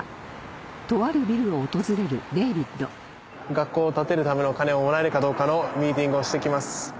学校を建てるためのお金をもらえるかどうかのミーティングをしてきます。